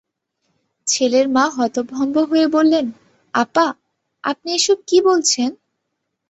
ছেলের মা হতভম্ব হয়ে বললেন, আপা, আপনি এসব কী বলছেন!